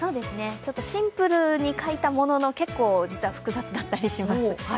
シンプルに描いたものの結構複雑だったりします。